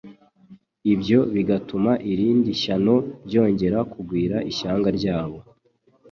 ibyo bigatuma irindi shyano ryongera kugwira ishyanga ryabo.